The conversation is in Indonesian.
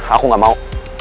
aku nggak mau